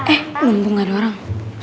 eh numpung gaada orang